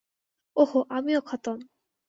ওহো আমিও খতম!